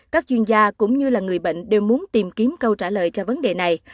các chuyên gia cũng như là người bệnh đều muốn tìm kiếm câu trả lời cho vấn đề này